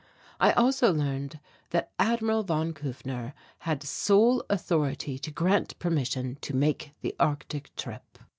I also learned that Admiral von Kufner had sole authority to grant permission to make the Arctic trip.